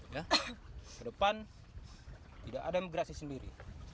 di depan tidak ada yang bergerak sendiri